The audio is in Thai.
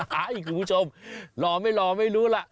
หาอีกคุณผู้ชมหล่อไม่หล่อไม่รู้ล่ะ